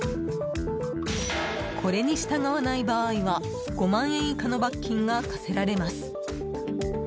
これに従わない場合は５万円以下の罰金が科せられます。